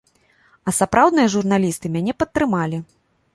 А сапраўдныя журналісты мяне падтрымалі.